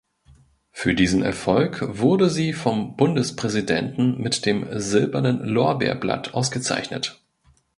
Für diesen Erfolg wurde sie vom Bundespräsidenten mit dem Silbernen Lorbeerblatt ausgezeichnet.